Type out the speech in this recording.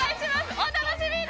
お楽しみに。